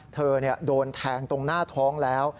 เธอโดนแทงตรงหน้าท้องแล้ว